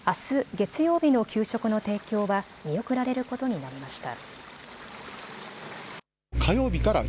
月曜日の給食の提供は見送られることになりました。